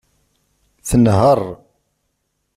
Tenheṛ.